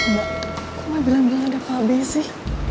mbak kok mah bilang bilang ada pak be sih